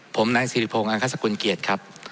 ผมนายสิริพงศ์อังคสกุลเกียรติครับ